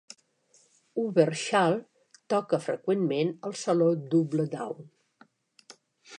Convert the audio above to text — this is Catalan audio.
Uberschall toca freqüentment al Saló Double-Down.